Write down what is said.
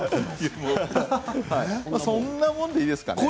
そんなもんでいいですかね。